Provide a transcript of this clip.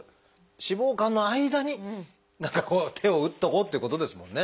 脂肪肝の間に何か手を打っとこうってことですもんね。